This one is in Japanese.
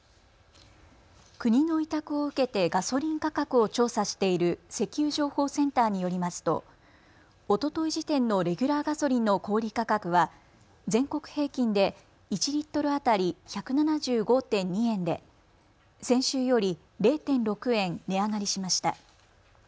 国の委託を受けてガソリン価格を調査している石油情報センターによりますとおととい時点のレギュラーガソリンの小売価格は全国平均で１リットル当たり１７５．２円で先週より０．６円値上がりしました。